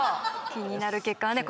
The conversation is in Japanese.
気になる結果はね